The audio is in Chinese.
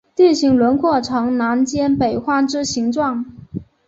地形轮廓呈南尖北宽之形状。